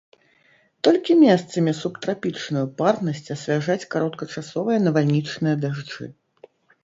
Толькі месцамі субтрапічную парнасць асвяжаць кароткачасовыя навальнічныя дажджы.